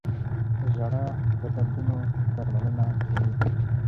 • ژړا د دردونو درملنه کوي.